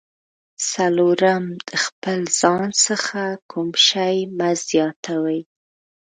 څلورم: د خپل ځان څخه کوم شی مه زیاتوئ.